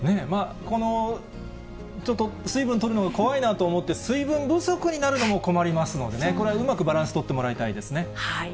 このちょっと水分とるのが怖いなと思って、水分不足になるのも困りますのでね、これはうまくバランス取ってもらいたいですね。